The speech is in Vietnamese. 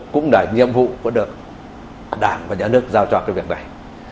cũng là nhiệm vụ của đảng và nhà nước giao cho việc này